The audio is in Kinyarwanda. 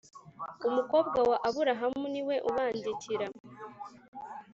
Umukobwa wa Aburahamu niwe ubandikira.